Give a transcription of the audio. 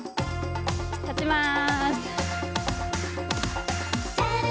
立ちます。